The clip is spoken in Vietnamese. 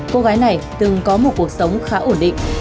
cô gái này từng có một cuộc sống khá ổn định